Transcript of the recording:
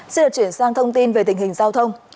xin được chuyển sang thông tin về tình hình giao thông